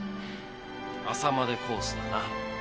「朝までコース」だな。